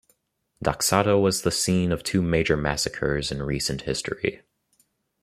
Doxato was the scene of two major massacres in recent history.